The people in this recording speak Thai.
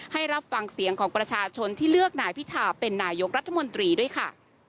รับฟังเสียงของประชาชนที่เลือกนายพิธาเป็นนายกรัฐมนตรีด้วยค่ะ